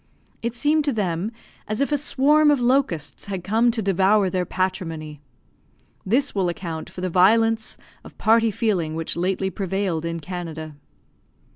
It seemed to them as if a swarm of locusts had come to devour their patrimony. This will account for the violence of party feeling which lately prevailed in Canada.